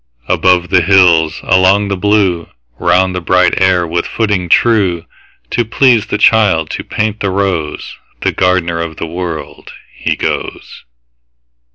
Above the hills, along the blue, Round the bright air with footing true, To please the child, to paint the rose, The gardener of the World, he goes.